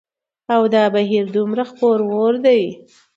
او دا بهير دومره خپور وور دى